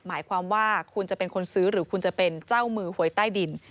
หมายความว่าคุณจะเป็นคนซื้อหรือคุณจะเป็นเจ้ามือหวยใต้ดิน